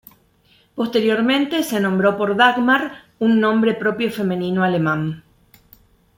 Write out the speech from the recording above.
Posteriormente se nombró por Dagmar, un nombre propio femenino alemán.